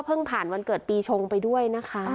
มันตรายได้นะคะ